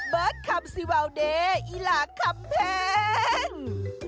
เบอร์ดคำสิวาวเดอีหลากคำแพง